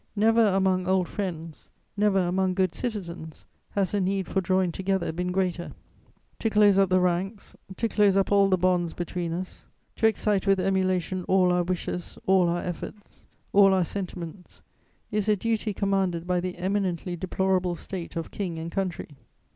Never among old friends, never among good citizens, has the need for drawing together been greater. To dose up the ranks, to close up all the bonds between us, to excite with emulation all our wishes, all our efforts, all our sentiments is a duty commanded by the eminently deplorable state of king and country.